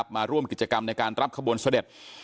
มาร่วมกิจกรรมในการรับขบวนเสด็จ